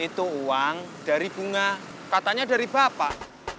itu uang dari bunga katanya dari bapak